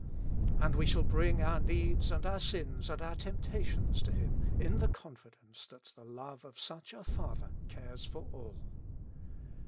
And we shall bring our needs and our sins and our temp tations to Him in the confidence that the love of such a Father cares for all.